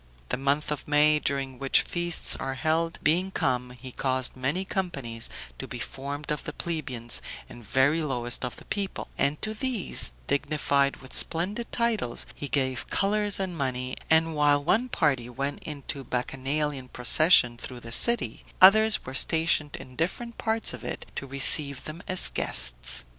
The month of May, during which feasts are held, being come, he caused many companies to be formed of the plebeians and very lowest of the people, and to these, dignified with splendid titles, he gave colors and money; and while one party went in bacchanalian procession through the city, others were stationed in different parts of it, to receive them as guests.